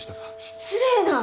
失礼な！